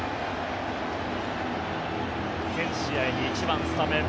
全試合で１番スタメン。